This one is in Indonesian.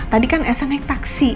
tadi kan elsa naik taksi